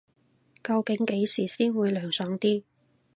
究竟幾時先會涼爽啲